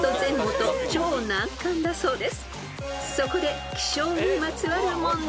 ［そこで］